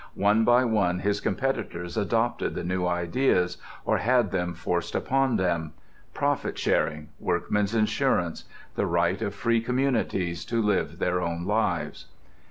One by one his competitors adopted the new ideas, or had them forced upon them; profit sharing, workmen's insurance, the right of free communities to live their own lives.